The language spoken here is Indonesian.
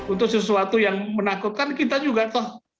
untuk sesuatu yang menakutkan kita juga toh